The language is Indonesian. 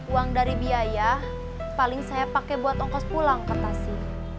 uang dari biaya paling saya pakai buat ongkos pulang ke tasi